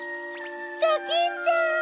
ドキンちゃん！